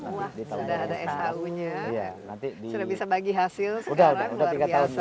semua sudah ada shu nya sudah bisa bagi hasil sekarang luar biasa